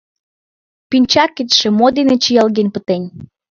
— Пинчакетше мо дене чиялген пытен?